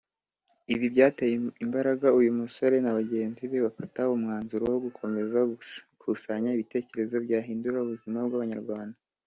Ibi byateye imbaraga uyu musore na bagenzi be bafata umwanzuro wo gukomeza gukusanya ibitekerezo byahindura ubuzima bw’abanyarwanda